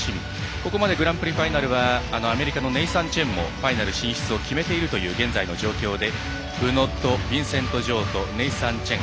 ここまで、グランプリファイナルアメリカのネイサン・チェンも進出を決めているという現在の状況で宇野とビンセント・ジョウとネイサン・チェン。